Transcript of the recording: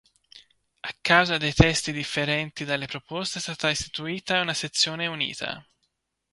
A causa dei testi differenti delle proposte è stata istituita una sezione unita.